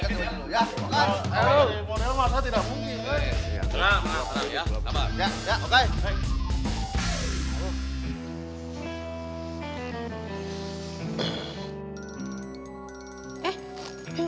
model masa tidak mungkin kan